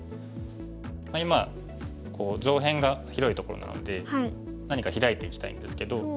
今こう上辺が広いところなので何かヒラいていきたいんですけど。